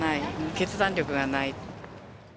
決断力がない。